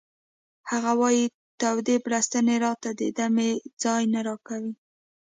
هغه وایی تودې بړستنې راته د دمې ځای نه راکوي